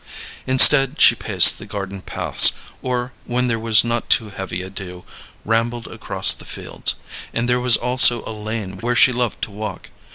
Instead she paced the garden paths, or, when there was not too heavy a dew, rambled across the fields; and there was also a lane where she loved to walk.